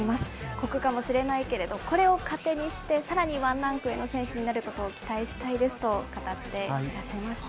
酷かもしれないけれど、これを糧にして、さらにワンランク上の選手になることを期待したいですと語っていらっしゃいました。